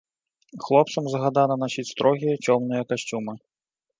Хлопцам загадана насіць строгія цёмныя касцюмы.